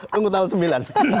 tunggu tanggal sembilan